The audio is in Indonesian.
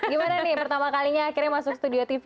gimana nih pertama kalinya akhirnya masuk studio tv